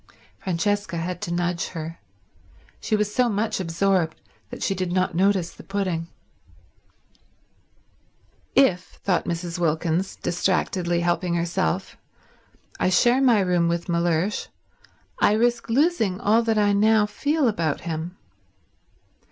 Francesca had to nudge her. She was so much absorbed that she did not notice the pudding. "If," thought Mrs. Wilkins, distractedly helping herself, "I share my room with Mellersh I risk losing all I now feel about him.